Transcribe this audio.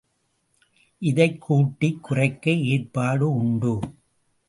இதைக் கூட்டிக் குறைக்க ஏற்பாடு உண்டு.